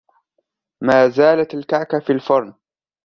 ما زالت الكعكة في الفرن.